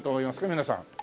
皆さん。